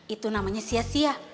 itu namanya sia sia